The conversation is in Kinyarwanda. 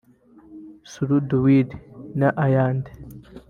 suruduwile n’ayandi